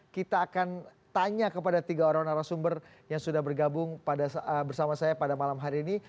kita akan tanya kepada tiga orang narasumber yang sudah bergabung bersama saya pada malam hari ini